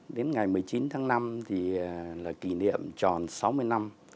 đến ngày một mươi chín tháng năm thì là kỷ niệm tròn sáu mươi năm